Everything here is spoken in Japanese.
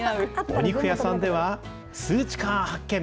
お肉屋さんでは、スーチカー発見。